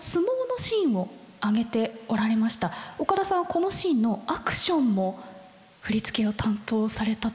このシーンのアクションも振り付けを担当されたというふうに。